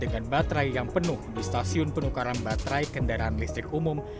dengan baterai yang penuh di stasiun penukaran baterai kendaraan listrik umum